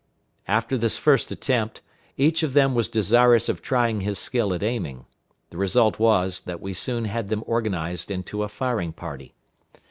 After this first attempt, each of them was desirous of trying his skill at aiming. The result was, that we soon had them organized into a firing party.